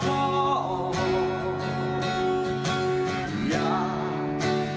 อยากแค่ขอให้พ่อได้ยิน